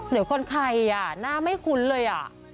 เดี๋ยวคนใครอ่ะหน้าไม่คุ้นเลย